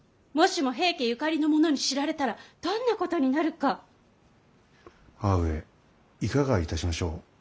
もしも平家ゆかりの者に知られたらどんなことになるか。母上いかがいたしましょう。